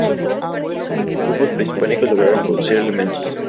Los grupos prehispánicos lograron producir alimentos.